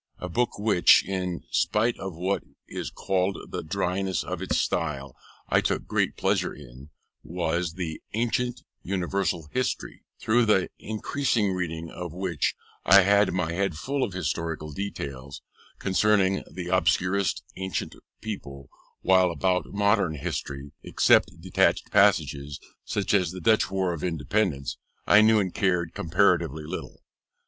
A book which, in spite of what is called the dryness of its style, I took great pleasure in, was the Ancient Universal History, through the incessant reading of which, I had my head full of historical details concerning the obscurest ancient people, while about modern history, except detached passages, such as the Dutch War of Independence, I knew and cared comparatively little.